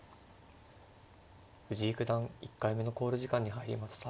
藤井九段１回目の考慮時間に入りました。